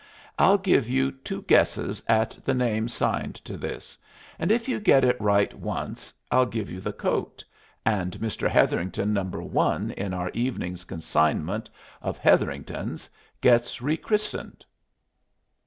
"I'll give you two guesses at the name signed to this, and if you get it right once I'll give you the coat, and Mr. Hetherington Number One in our evening's consignment of Hetheringtons gets re christened."